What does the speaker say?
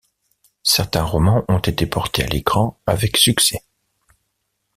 Certains romans ont été portés à l'écran avec succès.